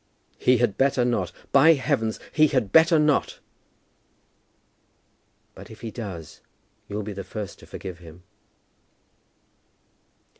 "He had better not. By heavens, he had better not!" "But if he does, you'll be the first to forgive him."